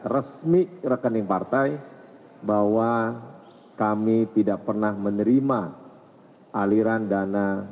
resmi rekening partai bahwa kami tidak pernah menerima aliran dana